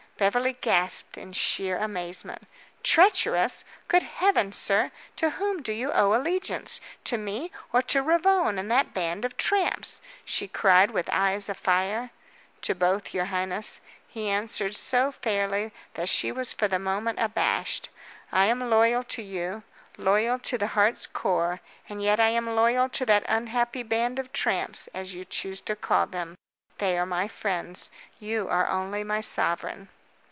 Beverly gasped in sheer amazement. "Treacherous? Good heaven, sir, to whom do you owe allegiance to me or to Ravone and that band of tramps?" she cried, with eyes afire. "To both, your highness," he answered so fairly that she was for the moment abashed. "I am loyal to you loyal to the heart's core, and yet I am loyal to that unhappy band of tramps, as you choose to call them. They are my friends. You are only my sovereign."